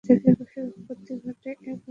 কোষ থেকেই কোষের উৎপত্তি ঘটে -এ কথা কার?